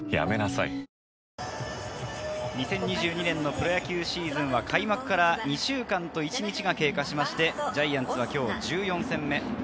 ２０２２年のプロ野球シーズンは、開幕から２週間と１日が経過して、ジャイアンツは１４戦目。